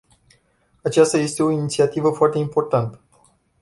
Aceasta este o inițiativă foarte importantă.